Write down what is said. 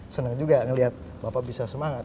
seneng juga ngelihat bapak bisa semangat